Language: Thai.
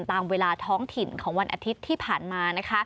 ตามเวลาท้องถิ่นของวันอาทิตย์ที่ผ่านมา